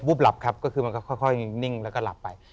หลับครับก็คือมันก็ค่อยนิ่งแล้วก็หลับไป